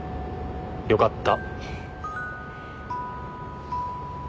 よかった。